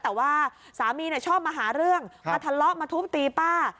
แต่ว่าสามีชอบมาหาเรื่องมาทะเลาะมาทุบตีป้า